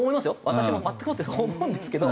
私も全くもってそう思うんですけど。